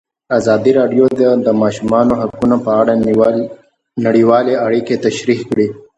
ازادي راډیو د د ماشومانو حقونه په اړه نړیوالې اړیکې تشریح کړي.